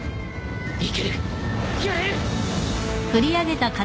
いける！やれる！